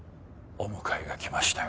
お迎えが来ましたよ。